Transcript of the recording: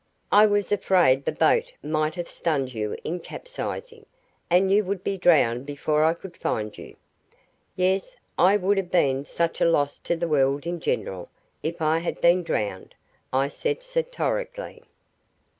I was afraid the boat might have stunned you in capsizing, and you would be drowned before I could find you." "Yes; I would have been such a loss to the world in general if I had been drowned," I said satirically.